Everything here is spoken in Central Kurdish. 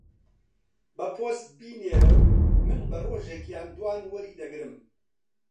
بە پۆست بینێرە و من بە ڕۆژێک یان دووان وەری دەگرم.